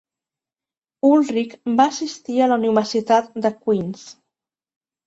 Ullrich va assistir a la Universitat de Queens.